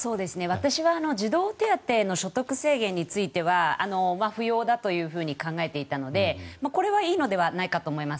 私は児童手当の所得制限については不要だというふうに考えていたのでこれはいいのではないかと思います。